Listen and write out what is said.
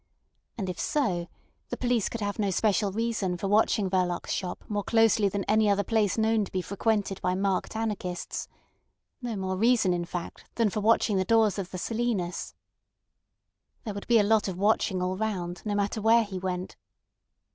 And if so, the police could have no special reason for watching Verloc's shop more closely than any other place known to be frequented by marked anarchists—no more reason, in fact, than for watching the doors of the Silenus. There would be a lot of watching all round, no matter where he went.